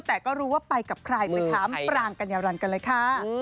แต่ก็รู้ว่าไปกับใครไปถามปรางกัญญารันกันเลยค่ะ